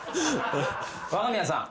若宮さん